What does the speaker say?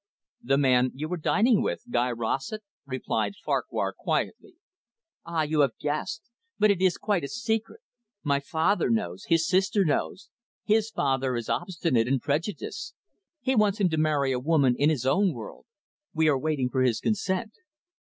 "The man you were dining with, Guy Rossett?" replied Farquhar quietly. "Ah, you have guessed! But it is quite a secret. My father knows. His sister knows. His father is obstinate and prejudiced; he wants him to marry a woman in his own world. We are waiting for his consent."